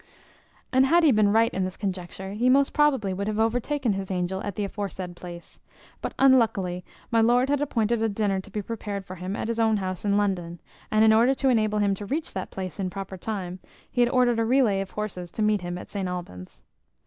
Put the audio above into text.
And had he been right in this conjecture, he most probably would have overtaken his angel at the aforesaid place; but unluckily my lord had appointed a dinner to be prepared for him at his own house in London, and, in order to enable him to reach that place in proper time, he had ordered a relay of horses to meet him at St Albans.